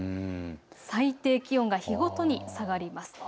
最低気温が日ごとに下がります。